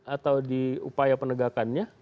atau di upaya penegakannya